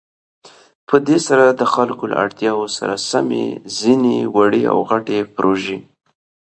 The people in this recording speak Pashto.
په دې سره د خلكو له اړتياوو سره سم ځينې وړې او غټې پروژې